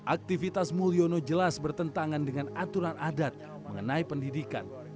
aktivitas mulyono jelas bertentangan dengan aturan adat mengenai pendidikan